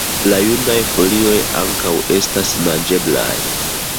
La junaj folioj ankaŭ estas manĝeblaj.